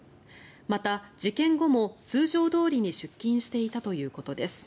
また、事件後も通常どおりに出勤していたということです。